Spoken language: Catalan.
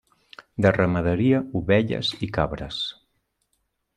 De ramaderia, ovelles i cabres.